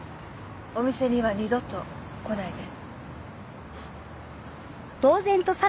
お店には二度と来ないで。